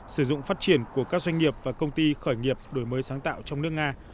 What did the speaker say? sử dụng phát triển của các doanh nghiệp và công ty khởi nghiệp đổi mới sáng tạo trong nước nga